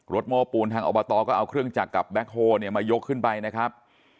โม้ปูนทางอบตก็เอาเครื่องจักรกับแบ็คโฮเนี่ยมายกขึ้นไปนะครับ